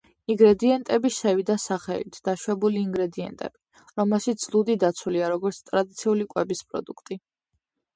ინგრედიენტები შევიდა სახელით „დაშვებული ინგრედიენტები“, რომელშიც ლუდი დაცულია როგორც „ტრადიციული კვების პროდუქტი“.